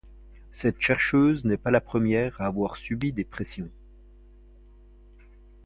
Cette chercheuse n'est pas la première à avoir subi des pressions.